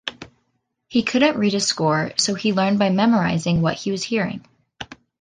He couldn't read a score, so he learned by memorizing what he was hearing.